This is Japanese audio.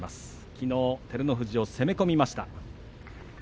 きのう照ノ富士を攻め込みました。